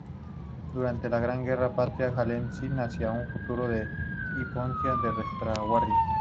Durante la Gran Guerra Patria, Gelendzhik hacía la función de hospital de la retaguardia.